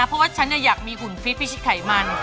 เพราะว่าฉันอยากมีหุ่นฟิตพิชิตไขมัน